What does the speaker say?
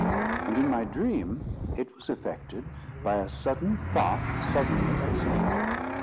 And, in my dream, it was effected by a sudden thought suddenly executed.